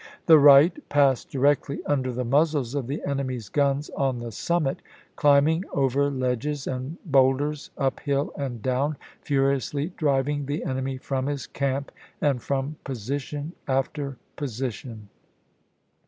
"The right passed directly under the muzzles of the enemy's guns on the summit, climbing over ledges and boul ders up hill and down, furiously driving the enemy from his camp and from position after position."'